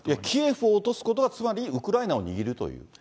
キエフを落とすことがつまりウクライナを握るという。